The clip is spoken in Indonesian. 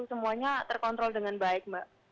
semuanya terkontrol dengan baik